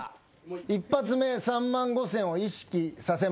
一発目３万５，０００を意識させました。